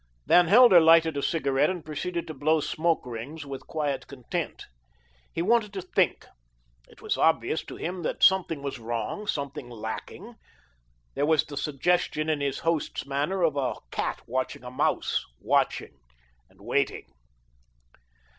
Van Helder lighted a cigarette and proceeded to blow smoke rings with quiet content. He wanted to think. It was obvious to him that something was wrong, something lacking. There was the suggestion in his host's manner of a cat watching a mouse, watching and waiting.